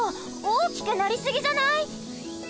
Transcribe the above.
おおきくなりすぎじゃない？